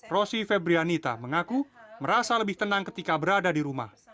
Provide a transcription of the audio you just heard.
rosi febrianita mengaku merasa lebih tenang ketika berada di rumah